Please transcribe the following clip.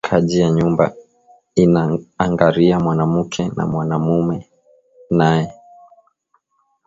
Kaji ya nyumba ina angariya mwanamuke na mwanaume naye